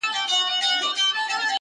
گرول يې خپل غوږونه په لاسونو٫